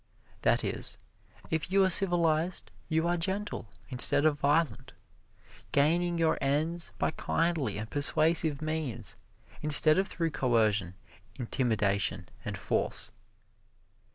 That is, if you are civilized you are gentle instead of violent gaining your ends by kindly and persuasive means, instead of through coercion, intimidation and force.